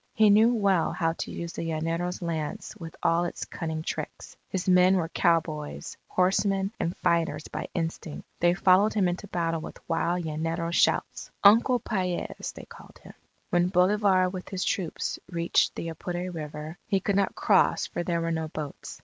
He knew well how to use the llanero's lance with all its cunning tricks. His men were cowboys, horsemen, and fighters by instinct. They followed him into battle with wild llanero shouts. Uncle Paez, they called him, When Bolivar with his troops reached the Apure River, he could not cross for there were no boats.